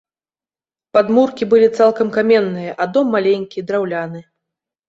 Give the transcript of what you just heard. Падмуркі былі цалкам каменныя, а дом маленькі, драўляны.